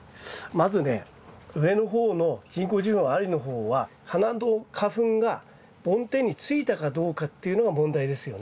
まずね上の方の人工授粉ありの方は花の花粉が梵天についたかどうかっていうのが問題ですよね。